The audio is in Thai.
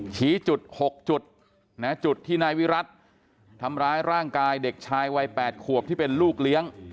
ชี้จุด๖จุดจุดที่นายวิรัติทำร้ายร่างกายเด็กชายวัย๘ขวบที่เป็นลูกเลี้ยง